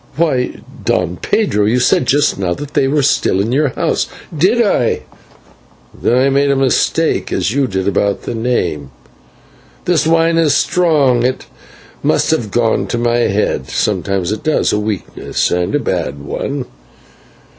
"Why, Don Pedro, you said just now that they were still in the house." "Did I? Then I made a mistake, as you did about the name; this wine is strong, it must have gone to my head; sometimes it does a weakness, and a bad one.